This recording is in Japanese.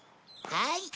はい。